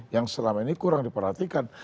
yang selama ini kurang diperhatikan